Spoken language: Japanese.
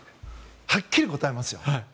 はっきり答えますよ。